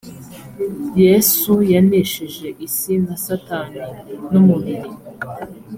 yesu yanesheje isi na satani nu mubiri